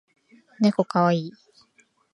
ねこかわいい